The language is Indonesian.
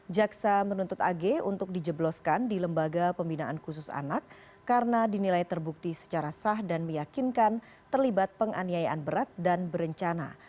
jaksa menuntut ag untuk dijebloskan di lembaga pembinaan khusus anak karena dinilai terbukti secara sah dan meyakinkan terlibat penganiayaan berat dan berencana